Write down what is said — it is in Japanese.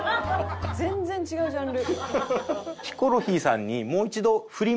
全然違うジャンル。